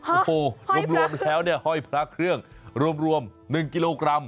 โอ้โหรวมแล้วเนี่ยห้อยพระเครื่องรวม๑กิโลกรัม